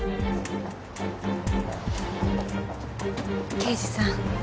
刑事さん